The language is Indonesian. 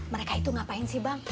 mereka itu ngapain sih bang